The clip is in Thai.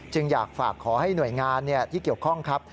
อยากฝากขอให้หน่วยงานที่เกี่ยวข้องครับ